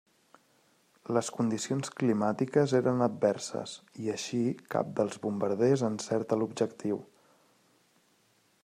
Les condicions climàtiques eren adverses i així cap dels bombarders encerta l'objectiu.